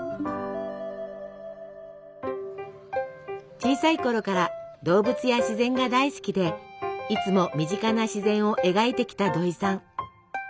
小さいころから動物や自然が大好きでいつも身近な自然を描いてきたどいさん。